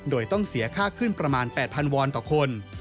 โดยต้องเสียค่าขึ้นประมาณ๘๐๐วอนต่อคน